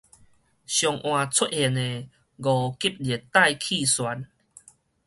上晏出現的五級熱帶氣旋